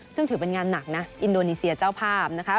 ซึ่งถือเป็นงานหนักนะอินโดนีเซียเจ้าภาพนะคะ